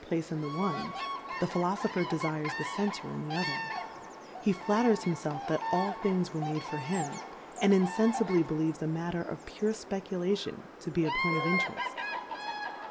23 Place in the one, the Philofopher defires the Center in the other; he flitters himlclf that all Tilings were made for him, and iafenfibly beUeves a Alatter of pure Speculation to be a Point of Intereli.